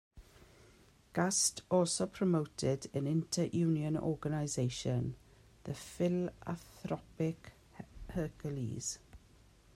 Gast also promoted an inter-union organisation: 'The Philanthropic Hercules'.